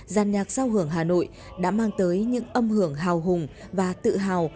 gian nhạc sao hưởng hà nội đã mang tới những âm hưởng hào hùng và tự hào